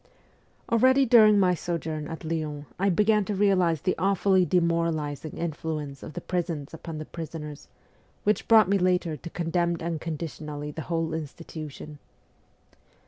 Already during my sojourn at Lyons I began to realize the awfully demoralising influence of the prisons upon the prisoners, which brought me later to condemn unconditionally the whole institution.